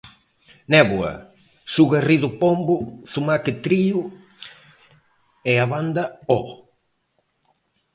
Néboa, Su Garrido Pombo, Zumaque Trío, e a banda Oh!